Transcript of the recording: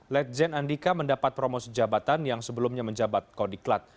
letjen andika mendapat promosi jabatan yang sebelumnya menjabat kodiklat